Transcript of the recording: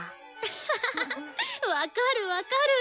ハハハハ分かる分かる！